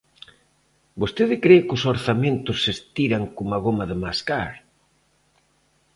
¿Vostede cre que os orzamentos se estiran coma goma de mascar?